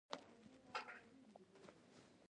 د قوې د څرخیدو اغیزه د مومنټ په نامه یادیږي.